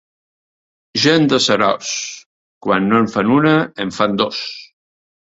Gent de Seròs, quan no en fan una en fan dos.